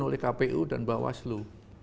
oleh kpu dan bawaslu